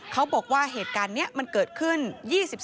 เขาบอกว่าเหตุการณ์นี้มันเกิดขึ้น